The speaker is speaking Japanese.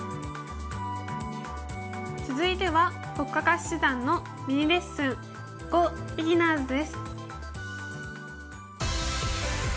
続いては黒嘉嘉七段のミニレッスン「ＧＯビギナーズ」です。